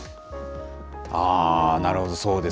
あー、なるほど、そうですね。